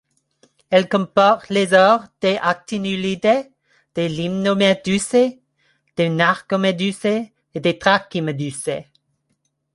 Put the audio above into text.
Elle comporte les ordres des Actinulidae, des Limnomedusae, des Narcomedusae et des Trachymedusae.